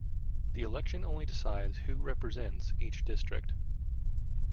The election only decides who represents each district.